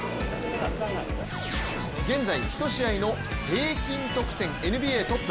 現在、１試合の平均得点ＮＢＡトップ。